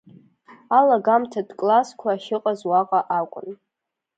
Алагамҭатә классқәа ахьыҟаз уаҟа акәын.